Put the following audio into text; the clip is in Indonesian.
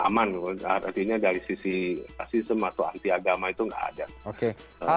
aman artinya dari sisi rasisme atau antiagama itu tidak ada